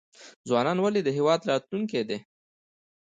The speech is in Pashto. ځوانان ولې د هیواد راتلونکی دی؟